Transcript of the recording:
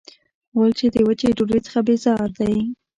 غول د وچې ډوډۍ څخه بیزار دی.